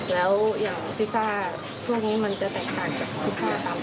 แล้วอย่างพิซซ่าช่วงนี้มันจะแตกต่างจากพิซซ่าตามท้องตลาด